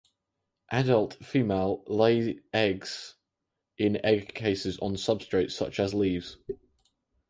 Adult female lay eggs in egg cases on substrate such as leaves.